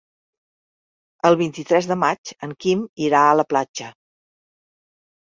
El vint-i-tres de maig en Quim irà a la platja.